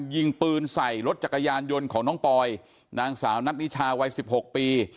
ยิงปืนใส่รถจักรยานยนต์ของน้องปอยนางสาวนัทนิชาวัย๑๖ปี